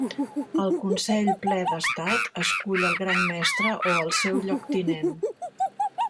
El consell ple d'estat escull el gran mestre o el seu lloctinent.